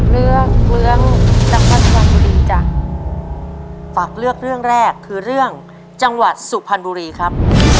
เรื่องเมืองจังหวัดสุพรรณบุรีจ้ะฝากเลือกเรื่องแรกคือเรื่องจังหวัดสุพรรณบุรีครับ